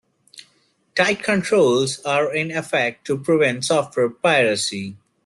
Tight controls are in effect to prevent software piracy.